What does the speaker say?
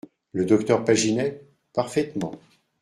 Le docteur Paginet ?… parfaitement !…